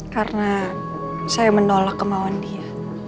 karena saya menolak kemauan dia